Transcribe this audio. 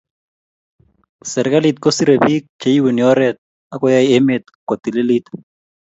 Serikalit ko sire biik che iuni oret ako yao emet ko tililit